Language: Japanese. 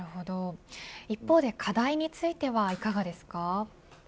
一方で課題についてはいかがですか。